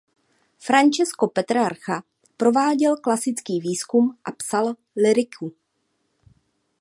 Francesco Petrarca prováděl klasický výzkum a psal lyriku.